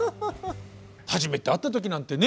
初めて会った時なんてね。